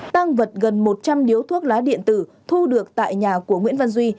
tăng vật gần một trăm linh điếu thuốc lá điện tử thu được tại nhà của nguyễn văn duy